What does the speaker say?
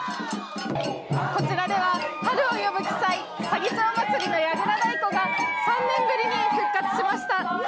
こちらでは春を呼ぶ奇祭左義長まつりの櫓太鼓が３年ぶりに復活しました。